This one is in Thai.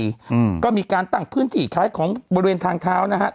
อืมก็มีการตั้งพื้นที่ขายของบริเวณทางเท้านะฮะ